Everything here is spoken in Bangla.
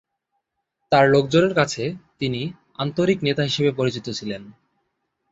তার লোকজনের কাছে তিনি আন্তরিক নেতা হিসেবে পরিচিত ছিলেন।